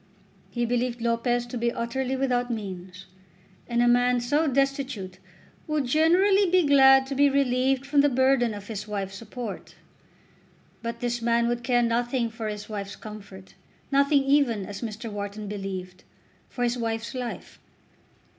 He believed Lopez to be utterly without means, and a man so destitute would generally be glad to be relieved from the burden of his wife's support. But this man would care nothing for his wife's comfort; nothing even, as Mr. Wharton believed, for his wife's life.